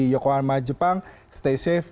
yokohama jepang stay safe